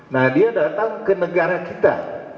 nah dia datang ke negara kita